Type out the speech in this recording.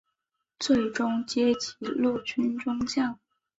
最终阶级陆军中将。